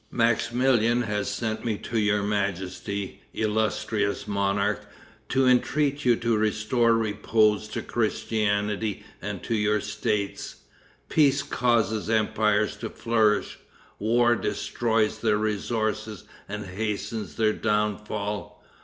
"Maximilian has sent me to your majesty, illustrious monarch, to entreat you to restore repose to Christianity and to your states. Peace causes empires to flourish; war destroys their resources and hastens their downfall.